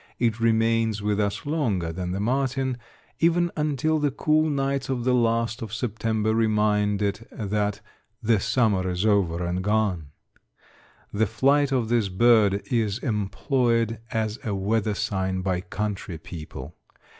It remains with us longer than the martin, even until the cool nights of the last of September remind it that "the summer is over and gone." The flight of this bird is employed as a weather sign by country people.